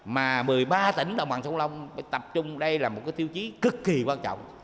mà một mươi ba tỉnh đồng bằng sông long phải tập trung đây là một tiêu chí cực kỳ quan trọng